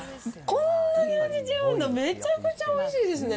こんなに味違うんだ、めちゃくちゃおいしいですね。